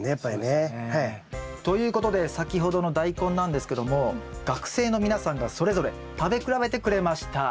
そうですね。ということで先ほどのダイコンなんですけども学生の皆さんがそれぞれ食べ比べてくれました。